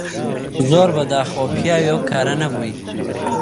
زۆر بەداخەوە پیاوی ئەو کارە نەبووی